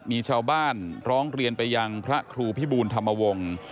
มีชาวบ้านร้องเรียนไปยังพระครูพิบูลธรรมวงศ์